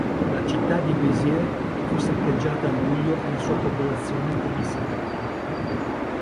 La città di Béziers fu saccheggiata a luglio e la sua popolazione fu massacrata.